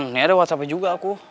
nih ada whatsappnya juga aku